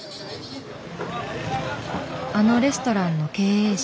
あのレストランの経営者。